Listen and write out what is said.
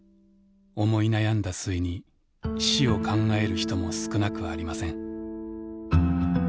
思い悩んだ末に死を考える人も少なくありません。